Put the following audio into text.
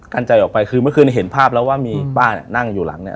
กันใจออกไปคือเมื่อคืนเห็นภาพแล้วว่ามีป้าเนี่ยนั่งอยู่หลังเนี่ย